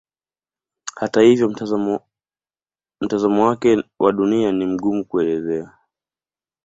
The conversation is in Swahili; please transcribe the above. Hata hivyo mtazamo wake wa Dunia ni mgumu kuelezea.